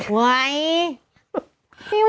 ไว้พี่วร